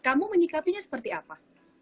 kamu menyikapinya seperti apa